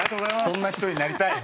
そんな人になりたい。